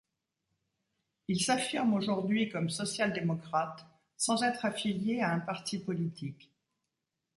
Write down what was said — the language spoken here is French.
Il s'affirme aujourd'hui comme social-démocrate sans être affilié à un parti politique.